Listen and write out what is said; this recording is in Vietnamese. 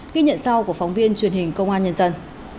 ghi nhận sau của phóng viên truyền hình công an nhân dân